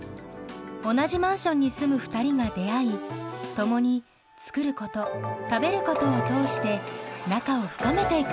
同じマンションに住む２人が出会い共に「作ること」「食べること」を通して仲を深めていく物語。